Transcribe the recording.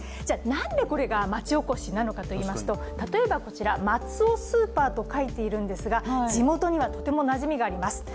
何でこれが町おこしなのかというと例えばこちら、マツオスーパーと書いているんですが地元にはとてもなじみがあります。